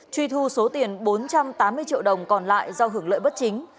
truy thu số tiền bốn trăm tám mươi triệu đồng còn lại do hưởng lợi bất chính